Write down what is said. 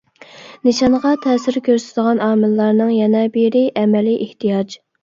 نىشانغا تەسىر كۆرسىتىدىغان ئامىللارنىڭ يەنە بىرى ئەمەلىي ئېھتىياج.